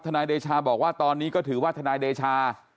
นายเดชาบอกว่าตอนนี้ก็ถือว่าทนายเดชา